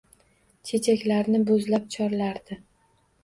Chechaklarni boʻzlab chorlardi.